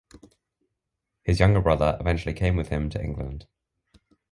His younger brother eventually came with him to England.